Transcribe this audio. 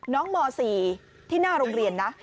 ม๔ที่หน้าโรงเรียนนะ